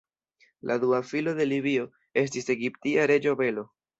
La dua filo de Libio estis egiptia reĝo Belo.